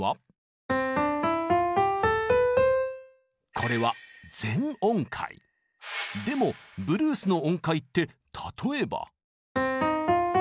これはでもブルースの音階って例えば。